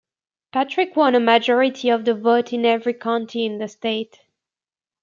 Patrick won a majority of the vote in every county in the state.